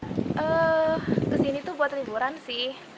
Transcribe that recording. kedua ke sini tuh buat liburan sih